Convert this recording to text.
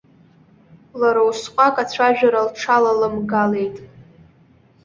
Лара усҟак ацәажәара лҽалалымгалеит.